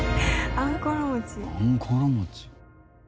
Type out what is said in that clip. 「あんころ餅」。